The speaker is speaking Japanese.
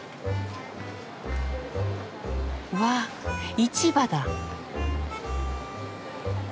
うわぁ市場だ。